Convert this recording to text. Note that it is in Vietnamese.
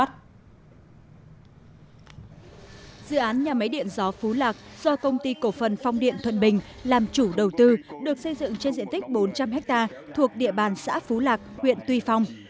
dự án nhà máy điện gió phú lạc do công ty cổ phần phong điện thuận bình làm chủ đầu tư được xây dựng trên diện tích bốn trăm linh ha thuộc địa bàn xã phú lạc huyện tuy phong